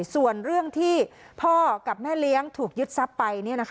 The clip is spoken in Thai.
ส่วนเรื่องที่พ่อกับแม่เลี้ยงถูกยึดทรัพย์ไป